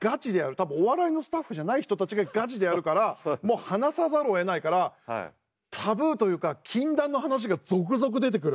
多分お笑いのスタッフじゃない人たちがガチでやるからもう話さざるをえないからタブーというか禁断の話が続々出てくる。